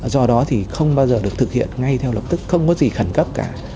do đó thì không bao giờ được thực hiện ngay theo lập tức không có gì khẩn cấp cả